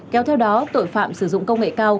kéo theo đó tội phạm sử dụng công nghệ cao